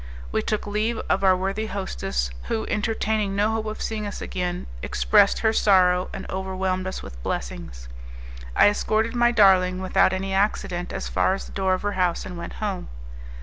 We took leave of our worthy hostess, who, entertaining no hope of seeing us again, expressed her sorrow and overwhelmed us with blessings. I escorted my darling, without any accident, as far as the door of her house, and went home.